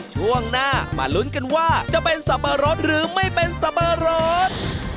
ช่วงหน้ามาลุ้นกันว่าจะเป็นสับปะรดหรือไม่เป็นสับปะรด